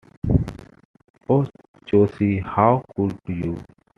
Oh Josie, how could you?